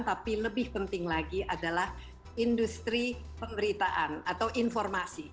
tapi lebih penting lagi adalah industri pemberitaan atau informasi